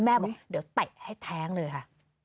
บอกเดี๋ยวเตะให้แท้งเลยค่ะ